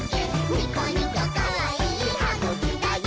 ニコニコかわいいはぐきだよ！」